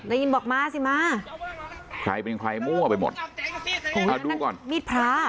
ได้ยินบอกมาสิมาใครเป็นใครมั่วไปหมดของเราดูก่อนมีดพระ